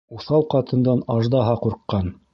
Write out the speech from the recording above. Уҫал ҡатындан аждаһа ҡурҡҡан.